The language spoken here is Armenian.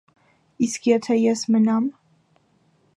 - Իսկ եթե ես մնամ: